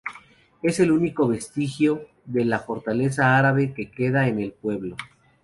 Es el único vestigio de la fortaleza árabe que queda en el pueblo.